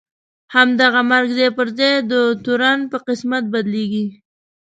همدغه مرګ ځای پر ځای د تورن په قسمت بدلېږي.